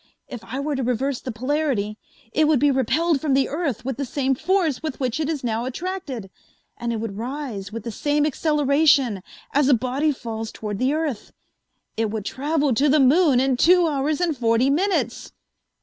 If I were to reverse the polarity, it would be repelled from the earth with the same force with which it is now attracted, and it would rise with the same acceleration as a body falls toward the earth. It would travel to the moon in two hours and forty minutes."